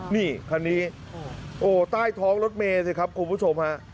นี่คันนี้โอ้ใต้ท้องรถเมย์สิครับคุณผู้ชมฮะ